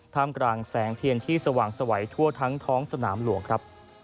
มกลางแสงเทียนที่สว่างสวัยทั่วทั้งท้องสนามหลวงครับ